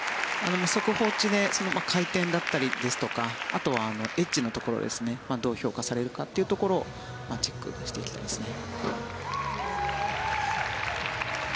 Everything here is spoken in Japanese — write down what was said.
速報値で回転だったりですとかあとはエッジのところですねどう評価されるかというところをチェックしていきたいですね。